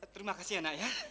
terima kasih ya nak ya